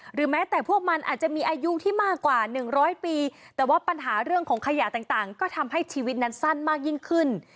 แม้แต่พวกมันอาจจะมีอายุที่มากกว่า๑๐๐ปีแต่ว่าปัญหาเรื่องของขยะต่างก็ทำให้ชีวิตนั้นสั้นมากยิ่งขึ้น